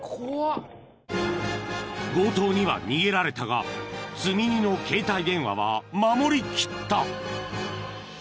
［強盗には逃げられたが積み荷の携帯電話は守りきった］